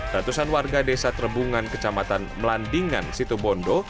ratusan warga desa trebungan kecamatan melandingan situ bondo